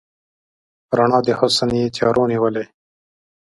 رڼا د حسن یې تیارو نیولې